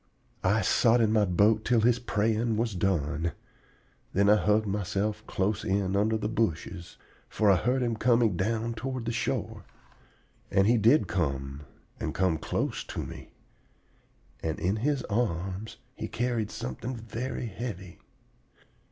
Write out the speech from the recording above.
"I sot in my boat till his praying was done; then I hugged myself close in under the bushes, for I heard him coming down toward the shore. And he did come, and come close to me; and in his arms he carried something very heavy.